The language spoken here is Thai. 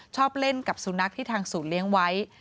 ชอบเล่นกับสุนัขที่ทางศูนย์เลี้ยงไว้